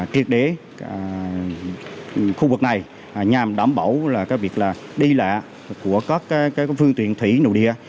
kiệt đế khu vực này nhằm đảm bảo việc đi lạ của các phương tiện thủy nội địa